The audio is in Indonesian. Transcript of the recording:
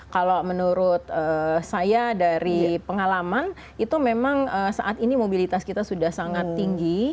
kalau menurut saya dari pengalaman itu memang saat ini mobilitas kita sudah sangat tinggi